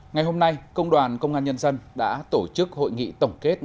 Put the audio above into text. ngày hôm nay công đoàn công an nhân dân đã tổ chức hội nghị tổng kết